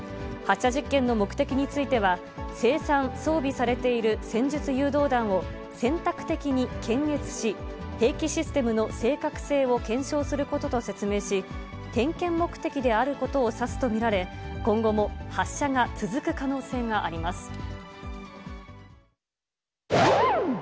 発射実験の目的については、生産・装備されている戦術誘導弾を選択的に検閲し、兵器システムの正確性を検証することと説明し、点検目的であることを指すと見られ、今後も発射が続く可能性があります。